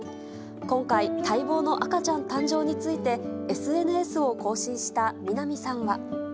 今回、待望の赤ちゃん誕生について、ＳＮＳを更新した南さんは。